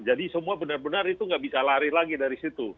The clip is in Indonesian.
jadi semua benar benar itu nggak bisa lari lagi dari situ